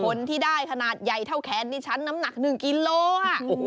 ผลที่ได้ขนาดใหญ่เท่าแคนนี่ชั้นน้ำหนักหนึ่งกิโลอ่ะ